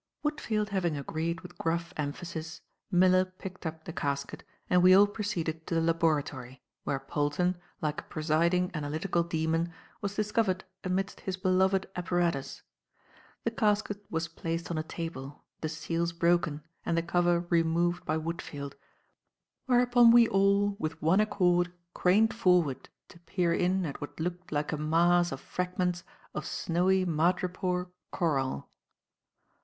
Woodfield having agreed with gruff emphasis, Miller picked up the casket and we all proceeded to the laboratory, where Polton, like a presiding analytical demon, was discovered amidst his beloved apparatus. The casket was placed on a table, the seals broken and the cover removed by Woodfield, whereupon we all, with one accord, craned forward to peer in at what looked like a mass of fragments of snowy madrepore coral.